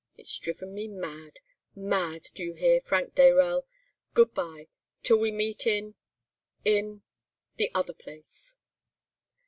It's driven me mad—mad! do you hear, Frank Dayrell? Good bye, till we meet in—in—the other place!